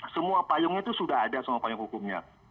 semua payungnya itu sudah ada semua payung hukumnya